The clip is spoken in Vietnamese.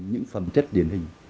những phẩm chất điển hình